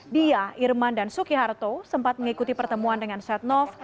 dia irman dan suki harto sempat mengikuti pertemuan dengan setnov